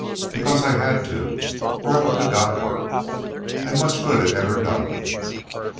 "Because I had to or I wouldn't a got work. An' much good it ever done me."